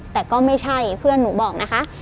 แต่ก็ไม่ใช่เพื่อนหนูบอกนะคะ